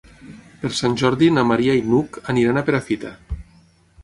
Per Sant Jordi na Maria i n'Hug aniran a Perafita.